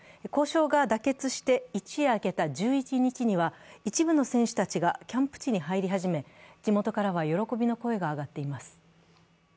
交渉が妥結して一夜明けた１１日には一部の選手たちがキャンプ地に入り始め、地元からは喜びの声が上がっています。